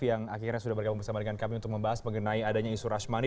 yang akhirnya sudah bergabung bersama dengan kami untuk membahas mengenai adanya isu rashmani